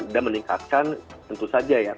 dan meningkatkan tentu saja ya